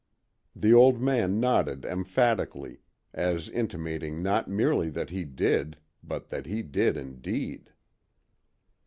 The old man nodded emphatically, as intimating not merely that he did, but that he did indeed.